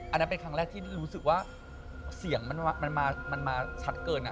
อันนั้นเป็นครั้งแรกที่รู้สึกว่าเสียงมันมาชัดเกิน